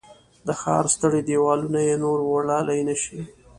د ښار ستړي دیوالونه یې نور وړلای نه شي